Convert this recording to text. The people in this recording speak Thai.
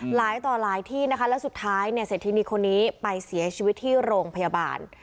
หลายต่อหลายที่นะคะแล้วสุดท้ายเนี่ยเศรษฐินีคนนี้ไปเสียชีวิตที่โรงพยาบาล